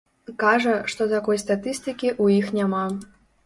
Кажа, што такой статыстыкі ў іх няма.